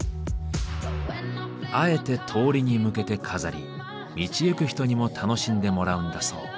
あえて通りに向けて飾り道行く人にも楽しんでもらうんだそう。